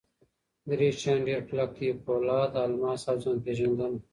درې شیان ډېر کلک دي: پولاد، الماس اوځان پېژندنه.